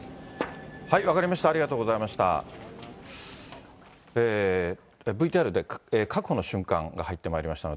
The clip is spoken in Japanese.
分かりました、ありがとうございました。